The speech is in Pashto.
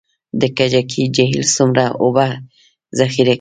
د کجکي جهیل څومره اوبه ذخیره کوي؟